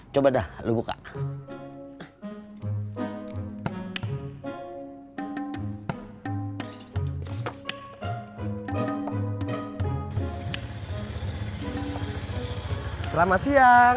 keras banget nyak